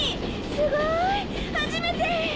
すごい初めて！